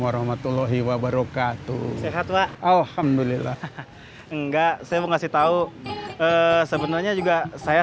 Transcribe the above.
warahmatullahi wabarakatuh sehat wa alhamdulillah enggak saya mau ngasih tahu sebenarnya juga saya